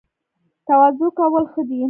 تواضع کول ښه دي